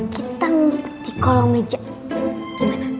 kita ngundi di kolam meja gimana